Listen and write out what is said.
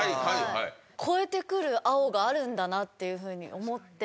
超えてくる青があるんだなっていうふうに思って。